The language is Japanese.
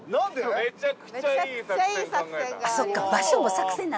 めちゃくちゃいい作戦が。